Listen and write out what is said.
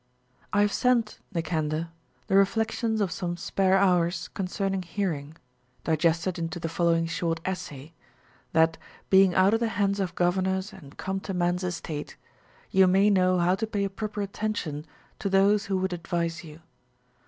1. I HAVE sent, Nicander, the reflections of some spare hours concernmg Hearing, digested into the following short essay, that being out of the hands of governors and come to man's estate, you may know how to pay a proper atten tion to those who Avould advise you.